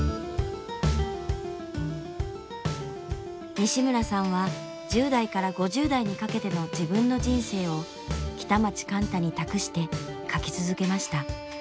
西村さんは１０代から５０代にかけての自分の人生を北町貫多に託して書き続けました。